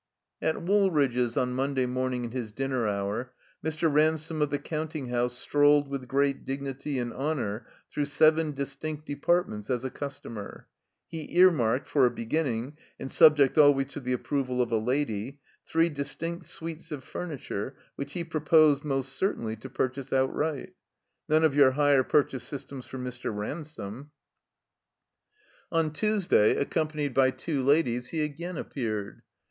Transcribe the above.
At Woolridge's, on Monday morning in his dinner hotu', Mr. Ransome of the counting house strolled with great dignity and Ij^onor through seven distinct departments as a customer. He earmarked, for a beginning, and subject always to the approval of a Lady, three distinct suites of fumitiu e which he jMro posed, most certainly, to purchase outright. None of your hire purchase systems for Mr. Ransome. 137 THE COMBINED MAZE On Tuesday, accompanied by two ladies, he again appeared.